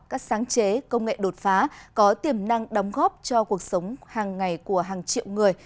các sáng chế công nghệ đột phá có tiềm năng đóng góp cho cuộc sống hàng ngày của hàng triệu người